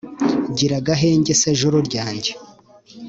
gira agahenge se juru ryanjye